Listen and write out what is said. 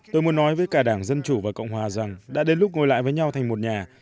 tôi muốn nói với cả đảng dân chủ và cộng hòa rằng đã đến lúc ngồi lại với nhau thành một nhà